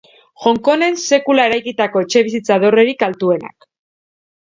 Hong Kongen sekula eraikitako etxebizitza dorrerik altuenak.